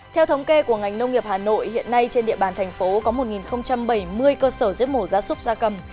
theo thống kê của ngành nông nghiệp hà nội hiện nay trên địa bàn thành phố có một bảy mươi cơ sở giếp mổ ra súc ra cầm